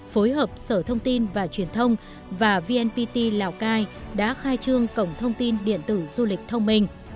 phối hợp sở thông tin và truyền thông và vnpt lào cai đã khai trương cổng thông tin điện tử du lịch thông minh